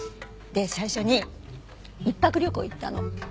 最初に一泊旅行へ行ったの。